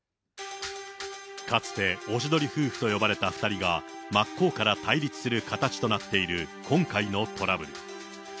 かつておしどり夫婦と呼ばれた２人が、真っ向から対立する形となっている今回のトラブル。